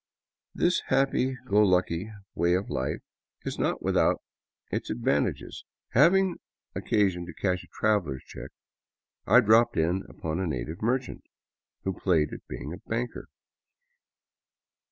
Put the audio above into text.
This happy go lucky way of life is not without its advantages. Hav ing occasion to cash a traveler's check, I dropped in upon a native mer chant who played at being a banker.